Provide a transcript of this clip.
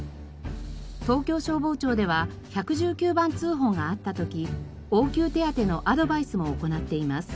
東京消防庁では１１９番通報があった時応急手当てのアドバイスも行っています。